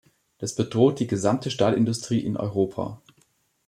Das bedroht die gesamte Stahlindustrie in Europa.